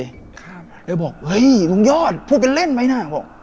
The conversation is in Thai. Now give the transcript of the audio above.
เรื่อยบอกว่าอุ้ยลูกยอธคุณเป็นเล่นไหมนะ